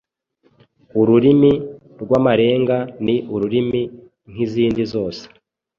Ururimi rw’amarenga ni ururimi nk’izindi zose